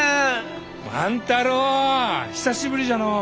万太郎久しぶりじゃのう！